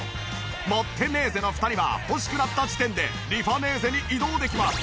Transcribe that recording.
持ってネーゼの２人は欲しくなった時点でリファネーゼに移動できます。